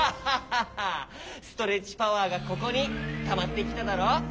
ストレッチパワーがここにたまってきただろ！